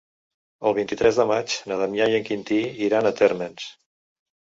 El vint-i-tres de maig na Damià i en Quintí iran a Térmens.